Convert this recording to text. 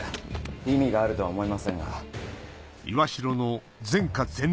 意味があるとは思えませんが。